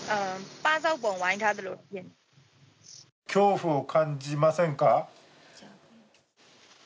恐怖を感じませんか？